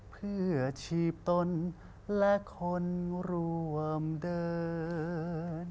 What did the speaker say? เพื่อชีพตนและคนรวมเดิน